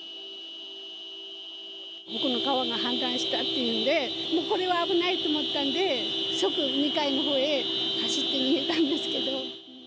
向こうの川が氾濫したっていうんで、これは危ないと思ったんで、即２階のほうへ走って逃げたんですけど。